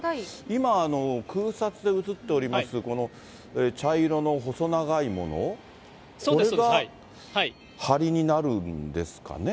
今、空撮で映っているこの茶色の細長いもの、これがはりになるんですかね。